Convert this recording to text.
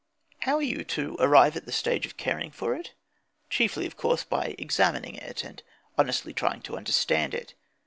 How are you to arrive at the stage of caring for it? Chiefly, of course, by examining it and honestly trying to understand it.